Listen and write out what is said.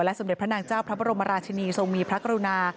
สมเด็จพระนางเจ้าพระบรมราชินีทรงมีพระกรุณา